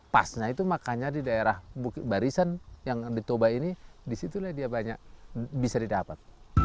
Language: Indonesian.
pasnya itu makanya di daerah barisan yang di toba ini disitulah dia banyak bisa didapat